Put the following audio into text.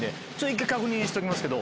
一回確認しときますけど。